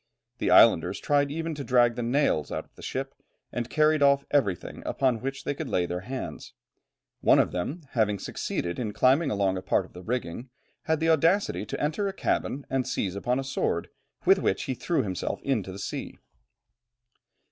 The islanders tried even to drag the nails out of the ship, and carried off everything upon which they could lay their hands. One of them, having succeeded in climbing along a part of the rigging, had the audacity to enter a cabin and seize upon a sword, with which he threw himself into the sea.